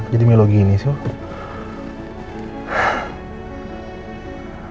jadi melauk gini sih